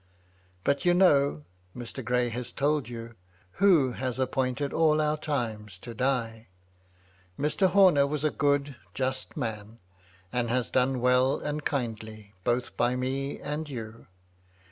But you know — Mr. Gray has told you — who has appointed us all our times to die. Mr. Homer was a good, just man ; and has done well and kindly, both by me and you.